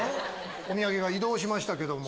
お土産が移動しましたけども。